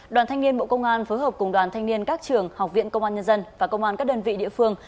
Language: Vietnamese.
đoàn thanh niên bộ công an phối hợp cùng đoàn thanh niên các trường học viện công an nhân dân và công an các đơn vị địa phương